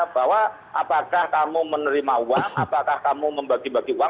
bahwa apakah kamu menerima uang apakah kamu membagi bagi uang